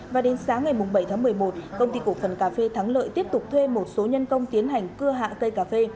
và đến sáng ngày bảy tháng một mươi một công ty cổ phần cà phê thắng lợi tiếp tục thuê một số nhân công tiến hành cưa hạ cây cà phê